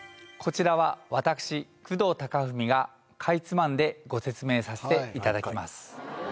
こちらは私工藤孝文がかいつまんでご説明させていただきます